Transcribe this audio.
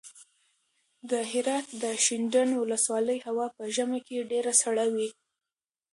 د هرات د شینډنډ ولسوالۍ هوا په ژمي کې ډېره سړه وي.